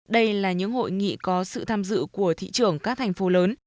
đây là những hội nghị có sự tham dự của thị trưởng các thành phố lớn